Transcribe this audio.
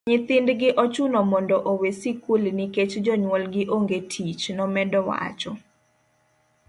nyithindgi ochuno mondo owe sikul nikech jonyuol gi onge tich',nomedo wacho